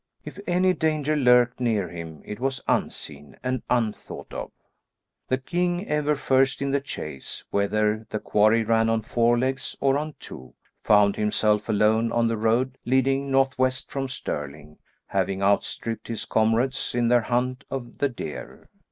If any danger lurked near him it was unseen and unthought of. The king, ever first in the chase, whether the quarry ran on four legs or on two, found himself alone on the road leading north west from Stirling, having outstripped his comrades in their hunt of the deer.